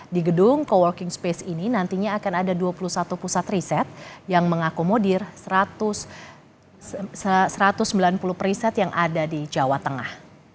di gedung co working space ini nantinya akan ada dua puluh satu pusat riset yang mengakomodir satu ratus sembilan puluh periset yang ada di jawa tengah